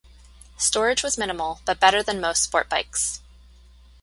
Storage was minimal, but better than most sport bikes.